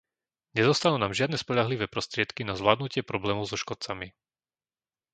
Nezostanú nám žiadne spoľahlivé prostriedky na zvládnutie problémov so škodcami.